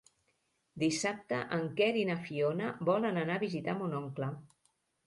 Dissabte en Quer i na Fiona volen anar a visitar mon oncle.